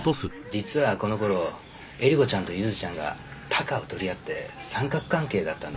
実はこの頃えり子ちゃんとゆずちゃんがタカを取り合って三角関係だったんですよ。